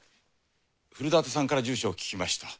古館さんから住所を聞きました。